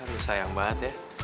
harusnya sayang banget ya